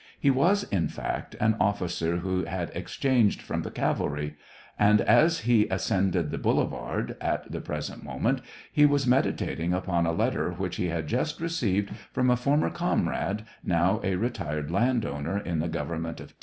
He was, in fact, an officer who had exchanged from the cavalry, and as he ascended the boulevard, at the present moment, he was meditating upon a let ter which he had just received from a former com rade, now a retired land owner in the Government of T.